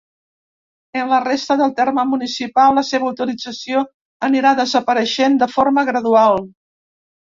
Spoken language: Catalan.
En la resta del terme municipal la seva utilització anirà desapareixent de forma gradual.